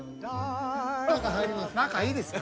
中いいですか？